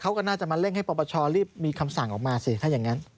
เขาก็น่าจะมาเร่งให้ปปชรีบมีคำสั่งออกมาสิถ้าอย่างนั้น